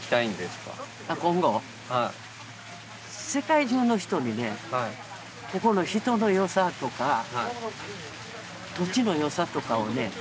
世界中の人にねここの人のよさとか土地のよさとかをね知ってもらいたい。